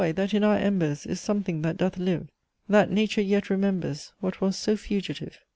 that in our embers Is something that doth live, That nature yet remembers What was so fugitive!